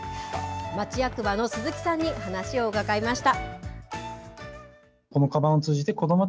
町役場の鈴木さんに話をうかがいました。